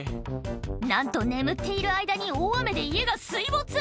なんと眠っている間に大雨で家が水没！